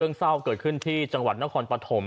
เศร้าเกิดขึ้นที่จังหวัดนครปฐม